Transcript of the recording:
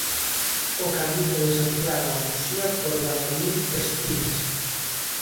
O camiño de Santiago a Muxía por Brandomil estírase.